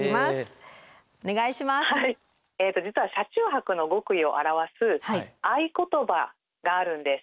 実は車中泊の極意を表す合言葉があるんです。